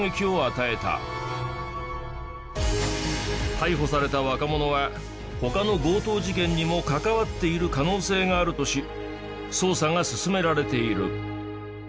逮捕された若者は他の強盗事件にも関わっている可能性があるとし捜査が進められている。